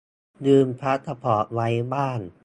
ลืมพาสปอร์ตไว้บ้าน